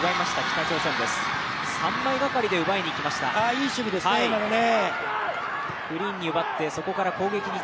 いい守備ですね、今のね。